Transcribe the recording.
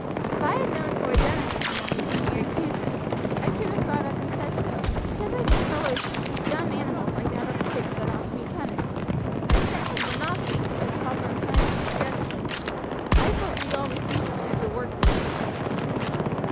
If I had known who had done it this morning, when he accused us, I should have got up and said so, because I think fellows who treat dumb animals like that are brutes that ought to be punished, but I certainly would not sneak because Hathorn punished me unjustly. I vote we all refuse to do the work he has set us."